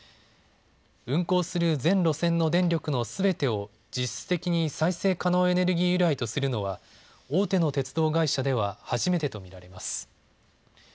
運行する全路線の電力のすべてを実質的に再生可能エネルギー由来とするのは大手の鉄道会社では初めてと見られます。